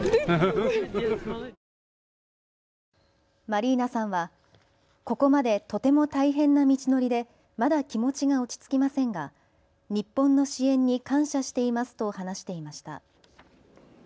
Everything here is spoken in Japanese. マリーナさんはここまでとても大変な道のりでまだ気持ちが落ち着きませんが日本の支援に感謝していますと話していました。